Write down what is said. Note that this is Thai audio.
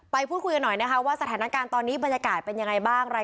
พูดคุยกันหน่อยนะคะว่าสถานการณ์ตอนนี้บรรยากาศเป็นยังไงบ้าง